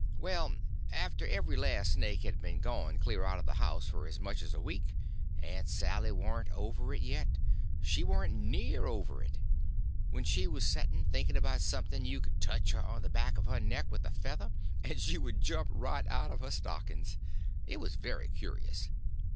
Why, after every last snake had been gone clear out of the house for as much as a week Aunt Sally warn't over it yet; she warn't near over it; when she was setting thinking about something you could touch her on the back of her neck with a feather and she would jump right out of her stockings. It was very curious.